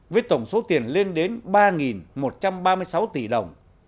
với tổng số tiền lên đến ba một trăm ba mươi sáu tỷ đồng